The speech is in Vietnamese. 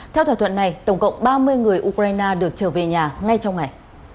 theo thỏa thuận này tổng cộng ba mươi người ukraine được trở về nhà ngay trong ngày